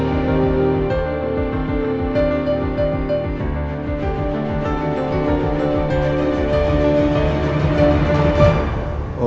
tidak niti tau sudah kaya ya lho